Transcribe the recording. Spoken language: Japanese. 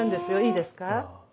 いいですか？